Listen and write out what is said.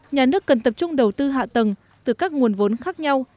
nhà nước cần tập trung đầu tư hạ tầng từ các nguồn vốn khác nhau